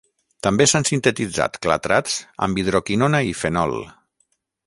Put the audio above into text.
També s'han sintetitzat clatrats amb hidroquinona i fenol.